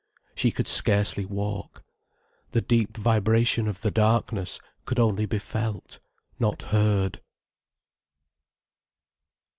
She could scarcely walk. The deep vibration of the darkness could only be felt, not heard.